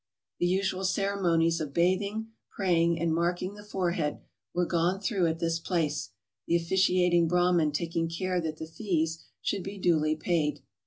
The usual ceremonies of bathing, pray¬ ing, and marking the forehead, were gone through at this place, tlie officiating Brahmin taking care that the fees should be duly paid.